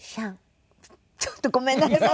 ちょっとごめんなさい。